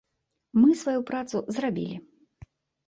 Мы сваю працу зрабілі.